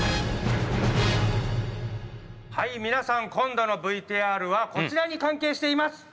はい皆さん今度のＶＴＲはこちらに関係しています。